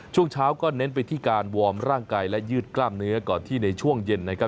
ช่วงเช้าก็เน้นไปที่การวอร์มร่างกายและยืดกล้ามเนื้อก่อนที่ในช่วงเย็นนะครับ